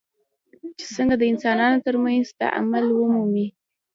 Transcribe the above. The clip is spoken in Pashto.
چې څنګه د انسانانو ترمنځ تعامل ومومي.